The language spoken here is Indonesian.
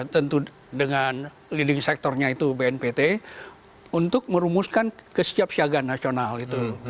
tentu dengan leading sectornya itu bnpt untuk merumuskan kesiapsiagaan nasional itu